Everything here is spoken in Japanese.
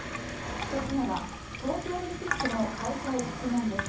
１つ目は東京オリンピックの開催実現です。